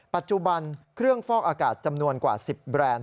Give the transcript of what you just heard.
ปัจจุบันเครื่องฟอกอากาศจำนวนกว่า๑๐แบรนด์